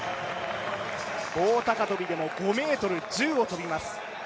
棒高跳でも５ｍ１０を跳びます。